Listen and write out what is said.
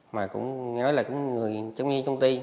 mà cũng nói là người chống nghiên công ty